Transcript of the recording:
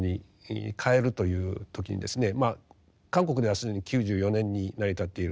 韓国では既に９４年に成り立っている。